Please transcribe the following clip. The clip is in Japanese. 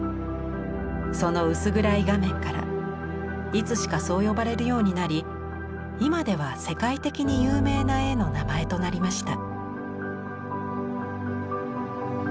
その薄暗い画面からいつしかそう呼ばれるようになり今では世界的に有名な絵の名前となりました。